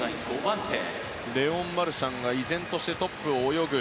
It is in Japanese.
レオン・マルシャンが依然としてトップを泳ぐ。